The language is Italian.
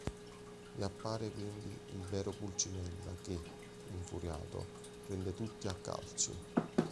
Riappare quindi il vero Pulcinella che, infuriato, prende tutti a calci.